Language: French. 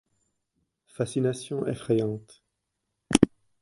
Fascination effrayante